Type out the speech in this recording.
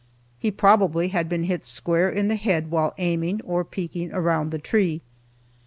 He probably had been hit square in the head while aiming, or peeking around the tree.